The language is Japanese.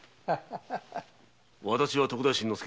私は徳田新之助。